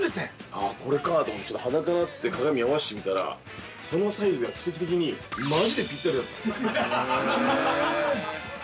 ◆あ、これかと思って裸になって、鏡で合わせてみたら、そのサイズが奇跡的にマジでぴったりだったよ。